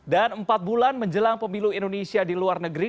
dan empat bulan menjelang pemilu indonesia di luar negeri